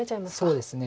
そうですね。